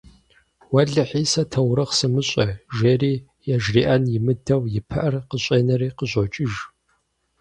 Уэлэхьи, сэ таурыхъ сымыщӏэ, - жери, яжриӏэн имыдэу, и пыӏэр къыщӏенэри къыщӏокӏыж.